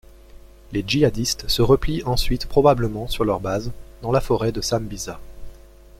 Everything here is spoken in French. Les djihadistes se replient ensuite probablement sur leur base, dans la forêt de Sambisa.